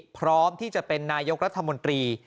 พร้อมที่จะเป็นนายกรัฐมนตรี